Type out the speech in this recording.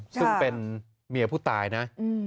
ซึ่งเป็นเมียผู้ตายนะ